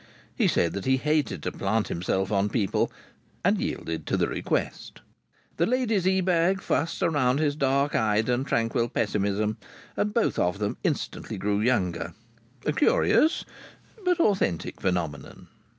He said that he hated to plant himself on people, and yielded to the request. The ladies Ebag fussed around his dark eyed and tranquil pessimism, and both of them instantly grew younger a curious but authentic phenomenon.